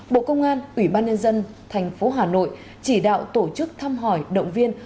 bộ công an ủy ban nhân dân tp hà nội chỉ đạo tổ chức tham hỏi động viên